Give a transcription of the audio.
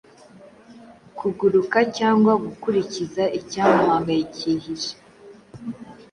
Kuguruka cyangwa gukurikiza icyamuhangayikihije